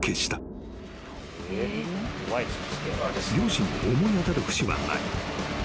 ［両親に思い当たる節はない］